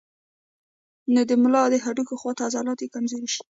نو د ملا د هډوکي خواته عضلات ئې کمزوري شي